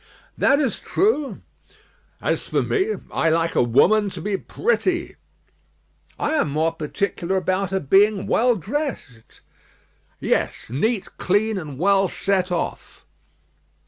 "That is true." "As for me, I like a woman to be pretty." "I am more particular about her being well dressed." "Yes; neat, clean, and well set off."